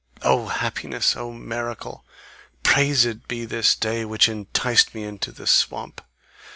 O happiness! O miracle! Praised be this day which enticed me into the swamp!